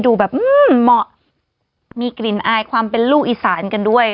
ดูแบบเหมาะมีกลิ่นอายความเป็นลูกอีสานกันด้วย